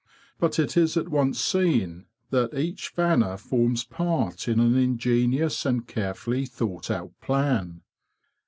But it is at once seen that each fanner forms part in an ingenious and carefully thought out plan.